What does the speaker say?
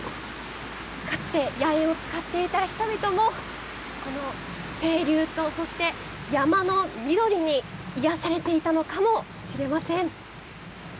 かつて野猿を使っていた人々もこの清流と、そして山の緑に癒やされていたのかもしれません。